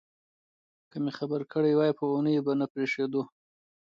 که مې خبر کړي وای په اوونیو به نه پرېښودو.